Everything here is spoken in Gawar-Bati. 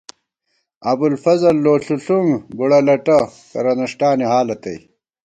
ابُوالفضل لو ݪُݪُونگ بُوڑہ لٹہ، کرہ نݭٹانی حالہ تئ